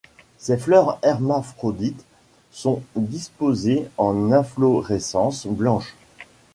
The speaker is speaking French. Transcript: Ses fleurs hermaphrodites sont disposées en inflorescences blanches.